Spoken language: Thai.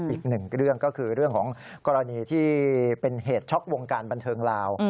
อีกหนึ่งเรื่องก็คือเรื่องของกรณีที่เป็นเหตุช็อกวงการบันเทิงลาว